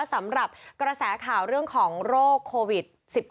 สำหรับกระแสข่าวเรื่องของโรคโควิด๑๙